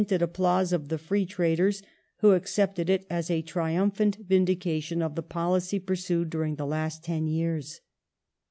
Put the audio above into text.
1852] DEATH OF WELLINGTON 211 applause of the Free Traders who accepted it as a triumphant vindication of the policy pursued during the last ten yeai*s.